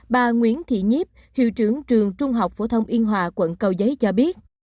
bà nguyễn thị nhiếp hiệu trưởng trường trung học phổ thông yên hòa quận cầu giấy cho biết